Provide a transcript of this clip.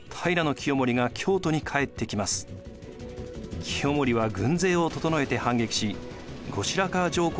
清盛は軍勢を整えて反撃し後白河上皇らを奪還。